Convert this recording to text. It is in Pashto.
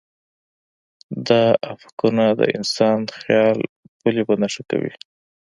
دا افقونه د انسان د خیال پولې په نښه کوي.